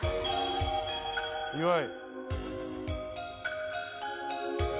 岩井。